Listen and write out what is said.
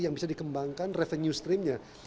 yang bisa dikembangkan revenue streamnya